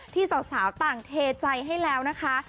ที่สาวต่างเทใจให้แล้วนะคะ